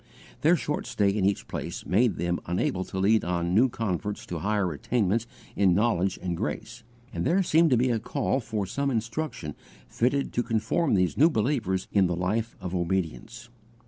Their short stay in each place made them unable to lead on new converts to higher attainments in knowledge and grace, and there seemed to be a call for some instruction fitted to confirm these new believers in the life of obedience.